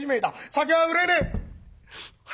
酒は売れねえ！」。